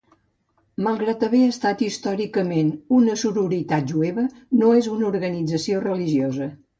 Malgrat haver estat històricament una sororitat jueva, no és una organització religiosa.